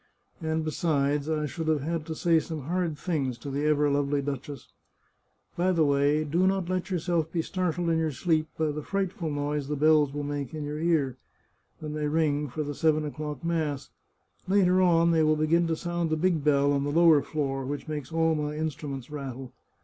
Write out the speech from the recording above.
And, besides, I should have had to say some hard things to the ever lovely duchess. By the way, do not let yourself be startled in your sleep by the frightful noise the bells will make in your ear, when they ring for the seven o'clock mass ; later on they will begin to sound the big bell on the lower floor, which makes all my instruments rattle.